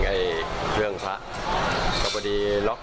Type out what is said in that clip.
ได้หมดกระเป๋าเลย